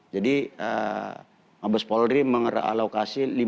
jadi mabes polri ada merealokasi anggaran untuk mendukung kampung tangguh